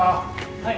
・はい。